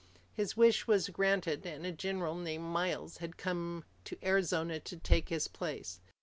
His wish was granted, and a general named Miles had come to Arizona to take his place.